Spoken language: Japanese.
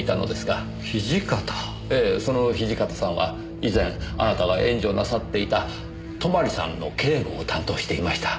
ええその土方さんは以前あなたが援助なさっていた泊さんの警護を担当していました。